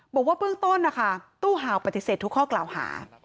บอกว่าเบื้องต้นนะคะตู้ห่าวปฏิเสธทุกข้อกล่าวหา